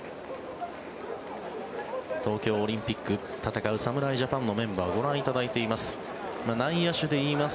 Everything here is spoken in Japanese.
東京オリンピックを戦う侍ジャパンのメンバーご覧いただいています。